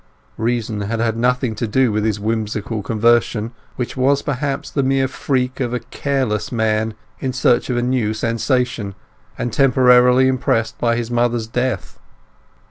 Reason had had nothing to do with his whimsical conversion, which was perhaps the mere freak of a careless man in search of a new sensation, and temporarily impressed by his mother's death.